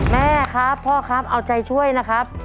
แม่ครับพ่อครับเอาใจช่วยนะครับ